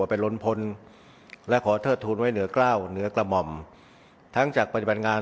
เป็นล้นพนธ์และขอเทิดทูลไว้เหนือกล้าวเหนือกระหม่อมทั้งจากบรรยะบรรยากาศ